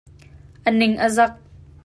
A ning a zak.